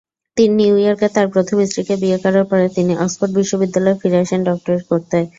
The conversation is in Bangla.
নিউ ইয়র্কে তাঁর প্রথম স্ত্রীকে বিয়ে করার পরে, তিনি অক্সফোর্ড বিশ্ববিদ্যালয়ে ফিরে আসেন ডক্টরেট করতে।